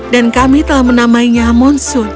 dan kami telah menamainya monsud